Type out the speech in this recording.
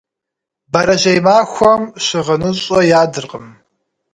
Бэрэжьей махуэм щыгъыныщӏэ ядыркъым.